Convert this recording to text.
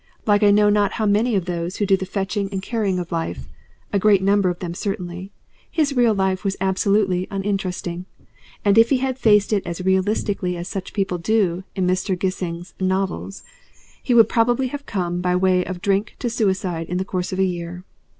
Like I know not how many of those who do the fetching and carrying of life, a great number of them certainly, his real life was absolutely uninteresting, and if he had faced it as realistically as such people do in Mr. Gissing's novels, he would probably have come by way of drink to suicide in the course of a year.